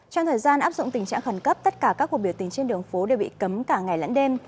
trong thời gian áp dụng tình trạng khẩn cấp tất cả các cuộc biểu tình trên đường phố đều bị cấm cả ngày lẫn đêm